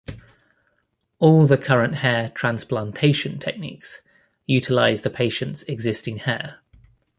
All the current hair transplantation techniques utilize the patient's existing hair.